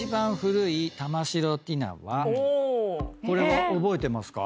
これは覚えてますか？